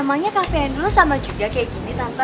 emangnya kafe yang dulu sama juga kayak gini tante